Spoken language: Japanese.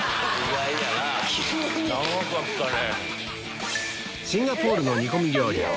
長かったね。